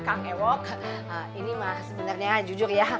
kak ewo ini mah sebenarnya jujur ya